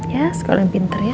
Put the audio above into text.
ya sekolah yang pinter ya